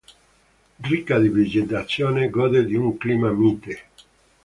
Ricca di vegetazione, gode di un clima mite.